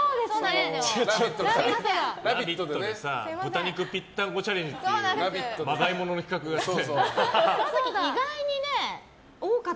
「ラヴィット！」で豚肉ぴったんこチャレンジってまがい物の企画があって。